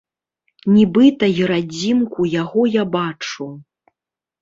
Нібыта і радзімку яго я бачу.